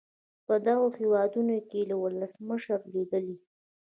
په دغو هېوادونو کې یې له ولسمشرانو لیدلي.